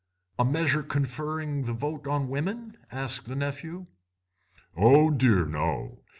"A measure conferring the vote on women?" asked the nephew. "Oh dear, no.